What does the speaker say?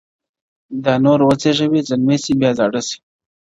دا نور وزېږي، زلمي سي، بیا زاړه سي،